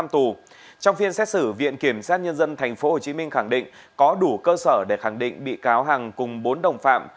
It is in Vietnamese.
trong phiên xét xử viện kiểm sát nhân dân tp hcm khẳng định có đủ cơ sở để khẳng định bị cáo hằng cùng bốn đồng phạm